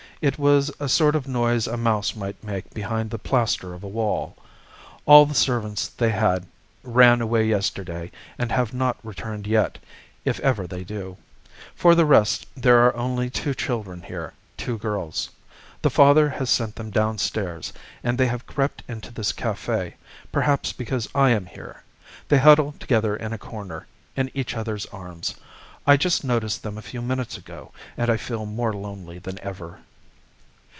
It was a sort of noise a mouse might make behind the plaster of a wall. All the servants they had ran away yesterday and have not returned yet, if ever they do. For the rest, there are only two children here, two girls. The father has sent them downstairs, and they have crept into this cafe, perhaps because I am here. They huddle together in a corner, in each other's arms; I just noticed them a few minutes ago, and I feel more lonely than ever."